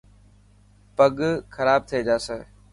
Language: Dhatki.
پگ کراب ٿي جاسي.